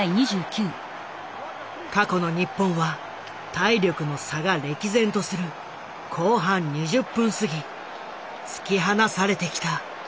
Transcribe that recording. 過去の日本は体力の差が歴然とする後半２０分すぎ突き放されてきた。